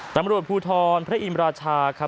ต่ำรวจผู้ทอนพระอิ่มราชา